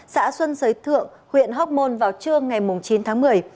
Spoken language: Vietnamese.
xã xuân giới thượng huyện hóc môn vào trưa ngày chín tháng một mươi